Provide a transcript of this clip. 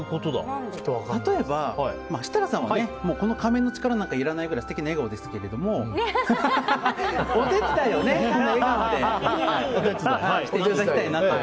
例えば、設楽さんはこの仮面の力なんかいらないくらい素敵な笑顔ですが、お手伝いを笑顔でしていただきたいなと。